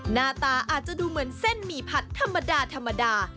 หน้าตาอาจจะดูเหมือนเส้นหมี่ผัดธรรมดาธรรมดา